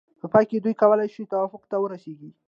په پای کې دوی کولای شي توافق ته ورسیږي.